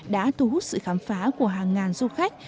đã thu hút sự khám phá của hàng ngàn du khách